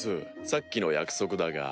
さっきの約束だが。